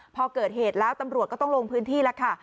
พอเกิดเหตุแล้วตำรวจก็ต้องลงพื้นที่แล้วค่ะ